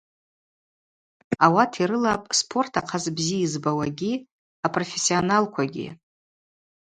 Ауат йрылапӏ спорт ахъаз бзи йызбауагьи апрофессионалквагьи.